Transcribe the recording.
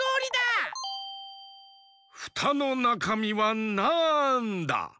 フタのなかみはなんだ？